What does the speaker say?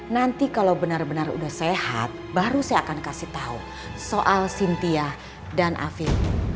nanti kalau benar benar udah sehat baru saya akan kasih tahu soal sintia dan afif